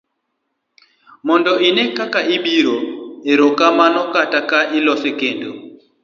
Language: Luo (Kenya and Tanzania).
mondo ine ka ibiro ore kamano kata ka ilose kendo